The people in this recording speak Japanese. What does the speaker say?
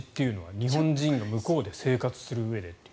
日本人が向こうで生活するうえで。